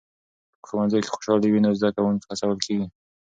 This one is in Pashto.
که په ښوونځي کې خوشالي وي نو زده کوونکي هڅول کېږي.